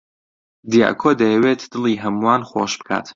دیاکۆ دەیەوێت دڵی هەمووان خۆش بکات.